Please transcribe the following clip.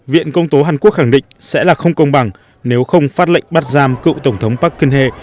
viện công tố hàn quốc khẳng định sẽ là không công bằng nếu không phát lệnh bắt giam cựu tổng thống park geun hye